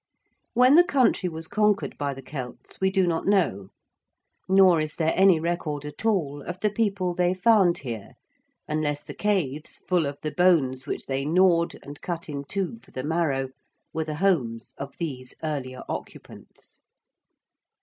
When the country was conquered by the Celts we do not know. Nor is there any record at all of the people they found here unless the caves, full of the bones which they gnawed and cut in two for the marrow, were the homes of these earlier occupants.